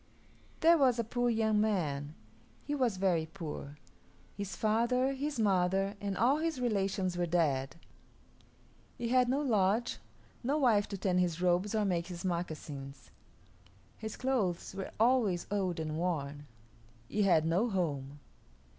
There was a poor young man. He was very poor. His father, his mother, and all his relations were dead. He had no lodge, no wife to tan his robes or make his moccasins. His clothes were always old and worn. He had no home.